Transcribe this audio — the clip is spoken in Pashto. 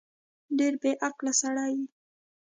ډېر بیعقل سړی یې